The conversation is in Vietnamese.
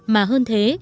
mà hơn thế